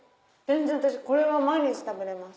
これは毎日食べれます。